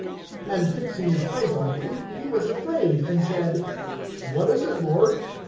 (4)And fixing his eyes on him, he was afraid, and said: What is it, Lord?